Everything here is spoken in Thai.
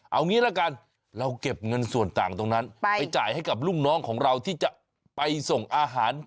เอางี้ละกันเราเก็บเงินส่วนต่างตรงนั้นไปจ่ายให้กับลูกน้องของเราที่จะไปส่งอาหาร